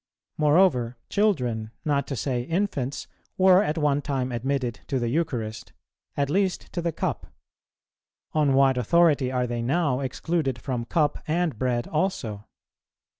Moreover, children, not to say infants, were at one time admitted to the Eucharist, at least to the Cup; on what authority are they now excluded from Cup and Bread also?